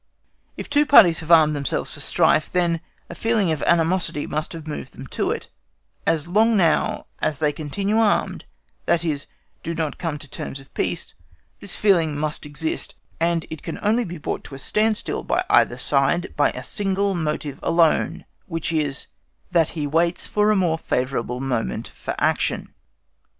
If two parties have armed themselves for strife, then a feeling of animosity must have moved them to it; as long now as they continue armed, that is, do not come to terms of peace, this feeling must exist; and it can only be brought to a standstill by either side by one single motive alone, which is, THAT HE WAITS FOR A MORE FAVOURABLE MOMENT FOR ACTION.